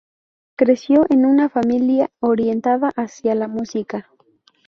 Creció en una familia orientada hacia la música.